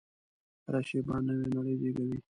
هره شېبه نوې نړۍ زېږوي.